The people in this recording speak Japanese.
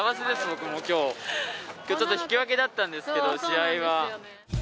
今日ちょっと引き分けだったんですけど試合は。